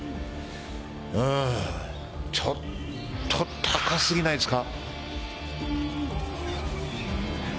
うん、ちょっと高すぎないですか？